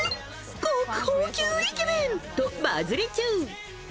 国宝級イケメンとバズり中。